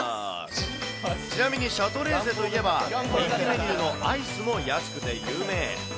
ちなみにシャトレーゼといえば、人気メニューのアイスも安くて有名。